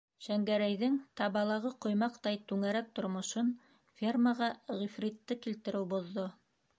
Шәңгәрәйҙең табалағы ҡоймаҡтай түңәрәк тормошон фермаға Ғифритте килтереү боҙҙо.